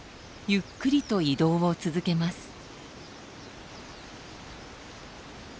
ゆっくりと移動を続けます。